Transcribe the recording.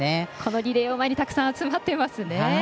リレーを前にたくさん集まっています。